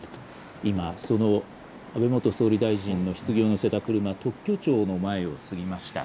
今、その安倍元総理大臣のひつぎを乗せた車、特許庁の前を過ぎました。